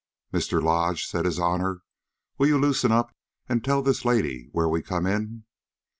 "Mr. Lodge," said his honor, "will you loosen up and tell this lady where we come in?"